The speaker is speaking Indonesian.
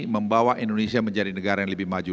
membawa indonesia menjadi negara yang lebih maju